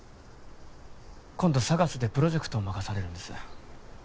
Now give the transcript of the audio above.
今度ＳＡＧＡＳでプロジェクトを任されるんです